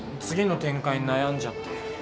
次の展開に悩んじゃって。